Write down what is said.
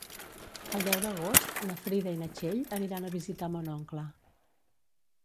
El deu d'agost na Frida i na Txell aniran a visitar mon oncle.